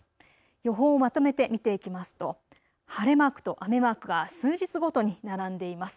予報をまとめて見ていきますと晴れマークと雨マークが数日ごとに並んでいます。